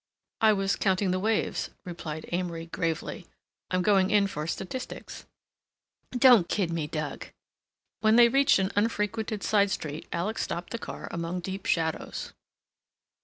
"I was counting the waves," replied Amory gravely. "I'm going in for statistics." "Don't kid me, Doug." When they reached an unfrequented side street Alec stopped the car among deep shadows.